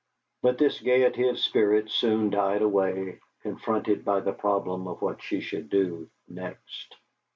But this gaiety of spirit soon died away, confronted by the problem of what she should do next.